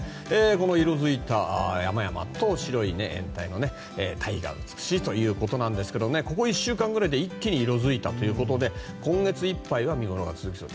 この色づいた山々と白い堤体の対比が美しいということでここ１週間ぐらいで一気に色づいたということで今月いっぱいは見ごろが続きそうと。